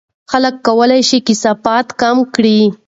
خلک کولای شي کثافات کم کړي.